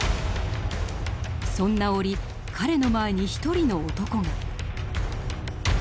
そんな折彼の前に一人の男が。